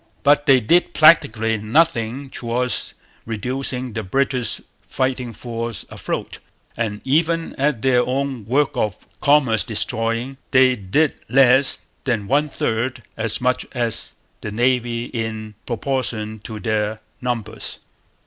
But they did practically nothing towards reducing the British fighting force afloat; and even at their own work of commerce destroying they did less than one third as much as the Navy in proportion to their numbers.